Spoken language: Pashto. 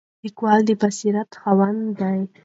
لیکوال د بصیرت خاوند دی.